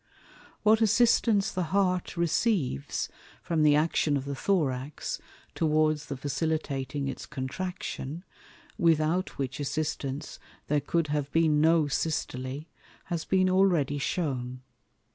What assistance the Heart receives from the action of the Thorax towards the facilitating its Contraction, without which assistance there cou'd have been no Systole, has been already shewn.